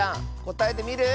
こたえてみる？